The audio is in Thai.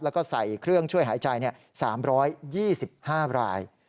แล้วก็ใส่เครื่องช่วยหายใจ๓๒๕ราย